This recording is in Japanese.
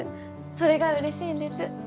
それがうれしいんです。